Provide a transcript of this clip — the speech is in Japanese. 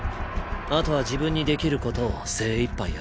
あとは自分にできることを精いっぱいやるさ。